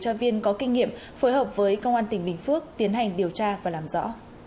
tra viên có kinh nghiệm phối hợp với công an tỉnh bình phước tiến hành điều tra và làm rõ